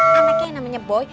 mereka yang namanya boy